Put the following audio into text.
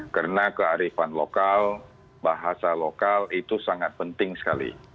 karena kearifan lokal bahasa lokal itu sangat penting sekali